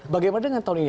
bagaimana dengan tahun ini